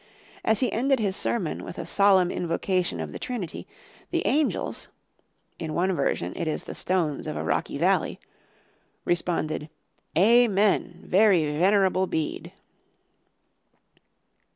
As he ended his sermon with a solemn invocation of the Trinity, the angels (in one version it is the stones of a rocky valley) responded "Amen, very venerable Bede."